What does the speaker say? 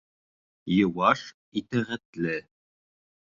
Йыуаш, итәғәтле!